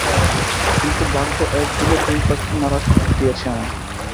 কিন্তু ভাগ্য এক ঢিলে দুই পাখি মারার সুযোগ দিয়েছে আমাকে।